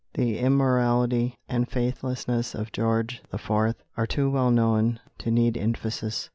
The immorality and faithlessness of George IV. are too well known to need emphasis.